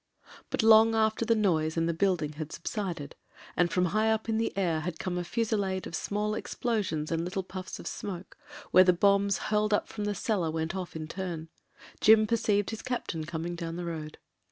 But long after the noise and the building had sub sided, and from high up in the air had come a fusillade of small explosions and little puffs of smoke, where the bombs hurled up from the cellar went off in turn Jim perceived his captain coming down the road.